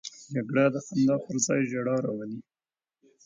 جګړه د خندا پر ځای ژړا راولي